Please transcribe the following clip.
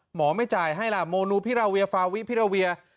ไม่จ่ายให้ล่ะโมนูพิราเวียฟาวิพิราเวีย